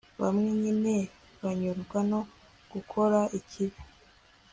bamwe nyine banyurwa no gukora ikibi